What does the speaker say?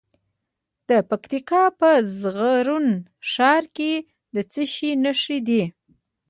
د پکتیکا په زرغون شهر کې د څه شي نښې دي؟